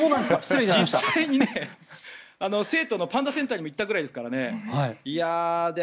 実際に成都のパンダセンターにも行ったぐらいですからね。